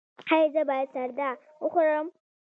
ایا زه باید سردا وخورم؟